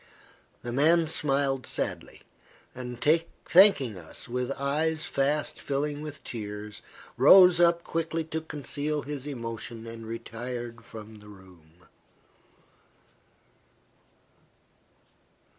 The man smiled sadly, and, thanking us with eyes fast filling with tears, rose up quickly to conceal his emotion, and retired from the room.